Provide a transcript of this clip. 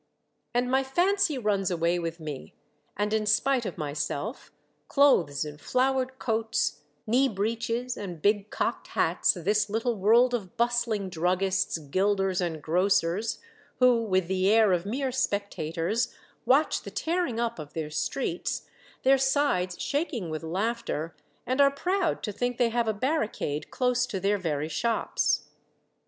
" And my fancy runs away with me and in spite of myself clothes in flowered coats, knee breeches and big cocked hats this little world of bustling druggists, gilders, and grocers, who with the air of mere spectators watch the tearing up of their streets, their sides shaking with laughter, and are proud to think they have a barricade close to their very shops.